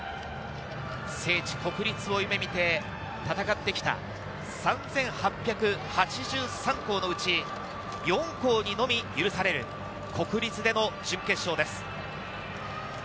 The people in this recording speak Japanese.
聖地・国立を夢見て戦ってきた３８８３校のうち、４校にのみ許される国立での準決勝です。